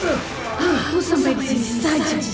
aku sampai di sini saja